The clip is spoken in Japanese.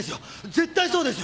絶対そうですよ！